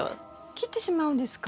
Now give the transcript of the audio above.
切ってしまうんですか？